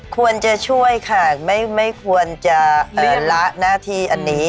ควรจะช่วยค่ะไม่ควรจะละหน้าที่อันนี้